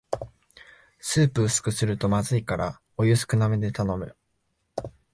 スープ薄くするとまずいからお湯少なめで頼む